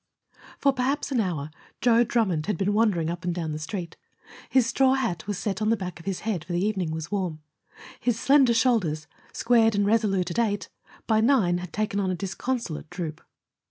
For perhaps an hour Joe Drummond had been wandering up and down the Street. His straw hat was set on the back of his head, for the evening was warm; his slender shoulders, squared and resolute at eight, by nine had taken on a disconsolate droop.